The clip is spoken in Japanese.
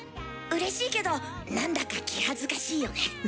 うれしいけどなんだか気恥ずかしいよね。